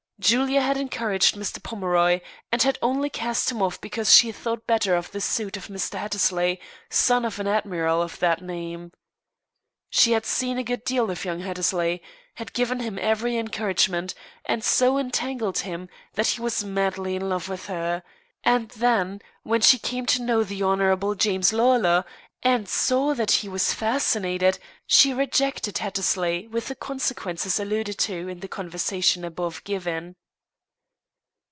Julia had encouraged Mr. Pomeroy, and had only cast him off because she thought better of the suit of Mr. Hattersley, son of an admiral of that name. She had seen a good deal of young Hattersley, had given him every encouragement, had so entangled him, that he was madly in love with her; and then, when she came to know the Hon. James Lawlor, and saw that he was fascinated, she rejected Hattersley with the consequences alluded to in the conversation above given.